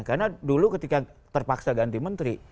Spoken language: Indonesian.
karena dulu ketika terpaksa ganti menteri